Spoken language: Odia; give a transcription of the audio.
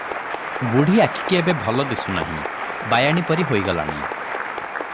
ବୁଢ଼ୀ ଆଖିକି ଏବେ ଭଲ ଦିଶୁ ନାହିଁ; ବାୟାଣୀ ପରି ହୋଇଗଲାଣି ।